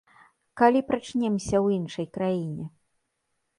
Калі прачнемся ў іншай краіне?